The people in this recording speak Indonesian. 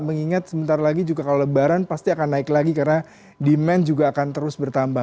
mengingat sebentar lagi juga kalau lebaran pasti akan naik lagi karena demand juga akan terus bertambah